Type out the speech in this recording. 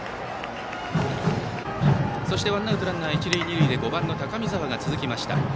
そしてワンアウトランナー、一塁二塁で５番の高見澤が続きました。